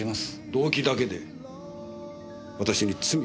動機だけで私に罪を認めろと？